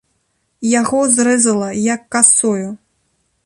Яго зрэзала, як касою.